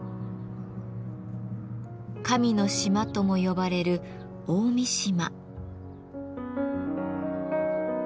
「神の島」とも呼ばれる大三島。